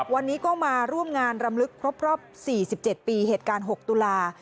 วันนี้ก็มาร่วมงานรำลึกครบรอบ๔๗ปีเหตุการณ์๖ตุลา